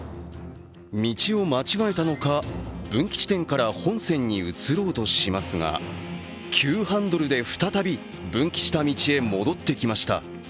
道を間違えたのか、分岐地点から本線に移ろうとしますが急ハンドルで再び、分岐した道へ戻ってきました。